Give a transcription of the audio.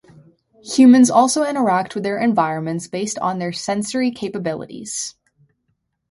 Humans also interact with their environments based on their sensory capabilities.